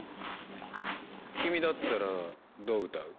君だったらどう歌う？